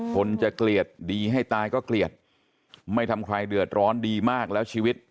คนจะเกลียดดีให้ตายก็เกลียดไม่ทำใครเดือดร้อนดีมากแล้วชีวิต